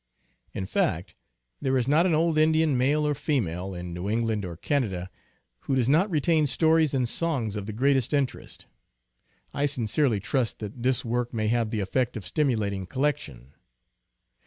In fact, there is not an old Indian, male or female, in New England or Canada who does not retain stories and songs of the greatest interest. I sincerely trust that this work may have the effect of stimulating collection.